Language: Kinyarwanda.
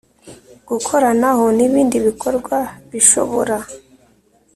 Gukoranaho n ibindi bikorwa bishobora